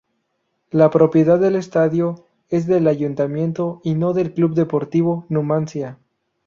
La propiedad del estadio es del ayuntamiento, y no del Club Deportivo Numancia.